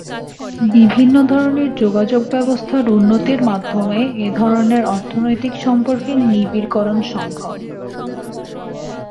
বিভিন্ন ধরনের যোগাযোগ ব্যবস্থার উন্নতির মাধ্যমে এ ধরনের অর্থনৈতিক সম্পর্কের নিবিড়করণ সম্ভব।